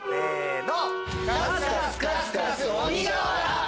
せの！